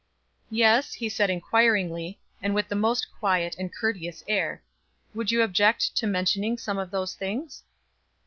"Yes," he said inquiringly, and with the most quiet and courteous air; "would you object to mentioning some of those things?"